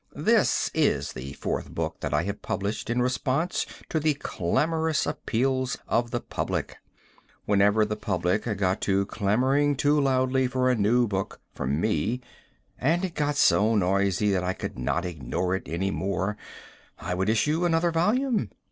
This is the fourth book that I have published in response to the clamorous appeals of the public. Whenever the public got to clamoring too loudly for a new book from me and it got so noisy that I could not ignore it any more, I would issue another volume.